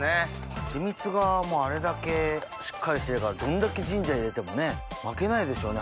ハチミツがあれだけしっかりしてるからどんだけジンジャー入れても負けないでしょうね